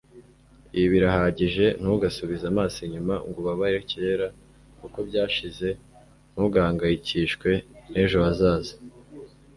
ibi birahagije ntugasubize amaso inyuma ngo ubabare kera kuko byashize ntugahangayikishwe n'ejo hazaza